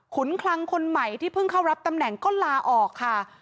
ขุนคลังคนใหม่ที่เพิ่งเข้ารับตำแหน่งก็ลาออกค่ะ